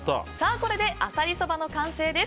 これでアサリそばの完成です。